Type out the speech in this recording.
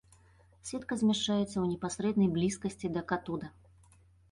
Сетка змяшчаецца ў непасрэднай блізкасці да катода.